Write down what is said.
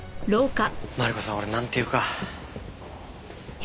マリコさん俺なんていうか。